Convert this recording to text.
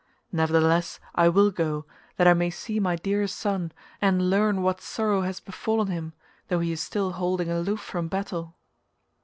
Nevertheless I will go, that I may see my dear son and learn what sorrow has befallen him though he is still holding aloof from battle."